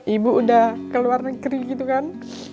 ibu udah keluar negeri gitu kan